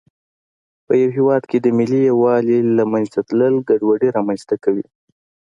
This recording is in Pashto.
په یوه هېواد کې د ملي یووالي له منځه تلل ګډوډي رامنځته کوي.